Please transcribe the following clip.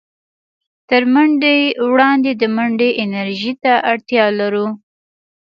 تر منډې وړاندې د منډې انرژۍ ته اړتيا لرو.